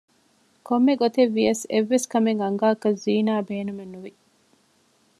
ކޮންމެ ގޮތެއް ވިޔަސް އެއްވެސް ކަމެއް އަންގާކަށް ޒީނާ ބޭނުމެއް ނުވި